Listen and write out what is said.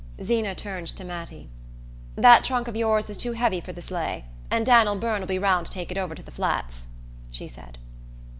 Zeena turned to Mattie. "That trunk of yours is too heavy for the sleigh, and Dan'l Byrne'll be round to take it over to the Flats," she said.